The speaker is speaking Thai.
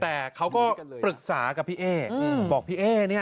แต่เขาก็ปรึกษากับพี่เอ๊บอกพี่เอ๊เนี่ย